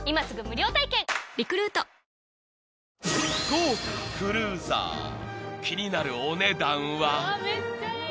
［豪華クルーザー気になるお値段は？］